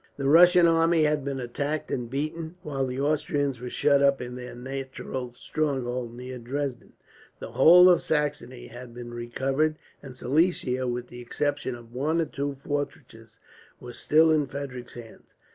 The Russian army had been attacked and beaten, while the Austrians were shut up in their natural stronghold, near Dresden. The whole of Saxony had been recovered; and Silesia, with the exception of one or two fortresses, was still in Frederick's hands.